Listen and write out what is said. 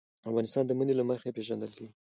افغانستان د منی له مخې پېژندل کېږي.